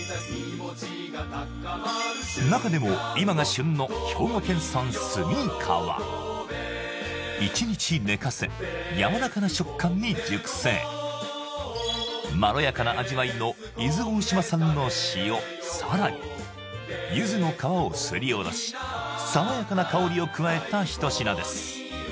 中でも今が旬のは一日寝かせやわらかな食感に熟成まろやかな味わいのさらにゆずの皮をすりおろし爽やかな香りを加えた一品です